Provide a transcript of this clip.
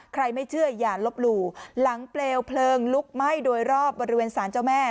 ไม่เชื่ออย่าลบหลู่หลังเปลวเพลิงลุกไหม้โดยรอบบริเวณสารเจ้าแม่